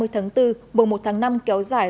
ba mươi tháng bốn mùa một tháng năm kéo dài